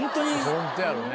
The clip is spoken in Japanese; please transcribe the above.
ホントやろうね。